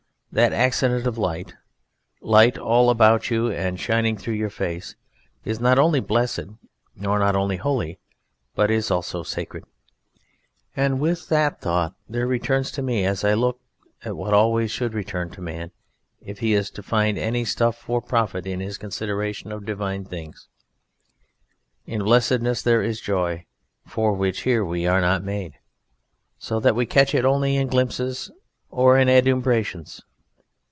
That accident of light, light all about you and shining through your face, is not only blessed nor only holy, but it is also sacred, and with that thought there returns to me as I look what always should return to man if he is to find any stuff or profit in his consideration of divine things. In blessedness there is joy for which here we are not made, so that we catch it only in glimpses or in adumbrations.